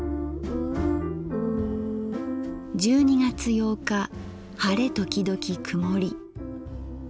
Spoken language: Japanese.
「１２月８日晴れときどき曇り。